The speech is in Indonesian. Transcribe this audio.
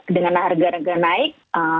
dengan harga harga naik